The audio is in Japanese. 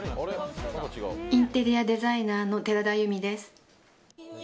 インテリアデザイナーの寺田由美です。